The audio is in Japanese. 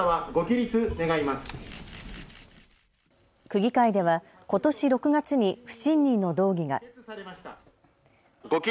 区議会ではことし６月に不信任の動議が。